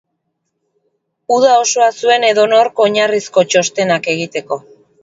Uda osoa zuen edonork oinarrizko txostenak egiteko.